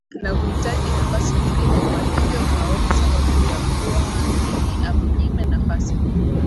nakuhitaji nafasi nyingine kwa hivyo haoni sababu ya kwa nini amnyime nafasi